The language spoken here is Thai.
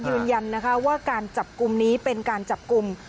ยืนยันนะคะว่าการจับกลุ่มนี้เป็นการจับกลุ่ม